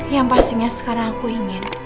yang pastinya sekarang aku ingin